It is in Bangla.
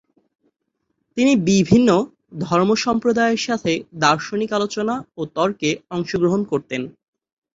তিনি বিভিন্ন ধর্মসম্প্রদায়ের সাথে দার্শনিক আলোচনা ও তর্কে অংশগ্রহণ করতেন।